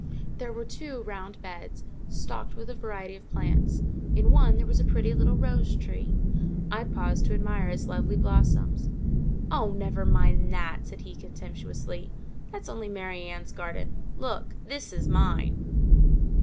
There were two round beds, stocked with a variety of plants. In one there was a pretty little rose tree. I paused to admire its lovely blossoms. "Oh, never mind that!" said he, contemptuously. "That's only Mary Ann's garden; look, THIS is mine."